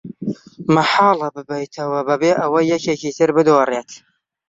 مەحاڵە ببەیتەوە بەبێ ئەوەی یەکێکی تر بدۆڕێت.